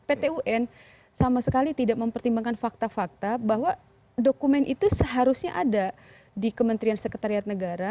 pt un sama sekali tidak mempertimbangkan fakta fakta bahwa dokumen itu seharusnya ada di kementerian sekretariat negara